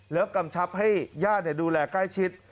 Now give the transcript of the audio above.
แล้วกำชับให้ญาติดูแลใกล้ชิด